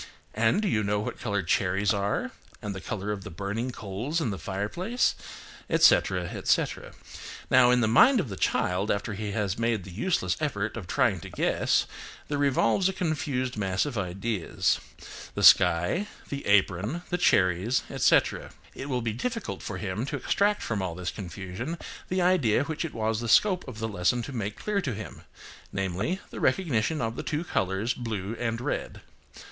And do you know what colour cherries are, and the colour of the burning coals in the fireplace, etc., etc." Now in the mind of the child after he has made the useless effort of trying to guess there revolves a confused mass of ideas,–the sky, the apron, the cherries, etc. It will be difficult for him to extract from all this confusion the idea which it was the scope of the lesson to make clear to him; namely, the recognition of the two colours, blue and red.